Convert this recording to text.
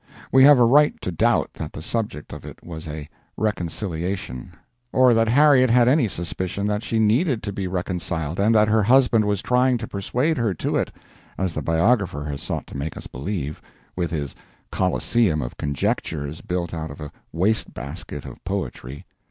We have a right to doubt that the subject of it was a "reconciliation," or that Harriet had any suspicion that she needed to be reconciled and that her husband was trying to persuade her to it as the biographer has sought to make us believe, with his Coliseum of conjectures built out of a waste basket of poetry.